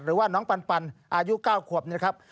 หรือว่าน้องปันอายุ๙ขวบเนี่ยครับ